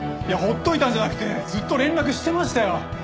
いやほっといたんじゃなくてずっと連絡してましたよ。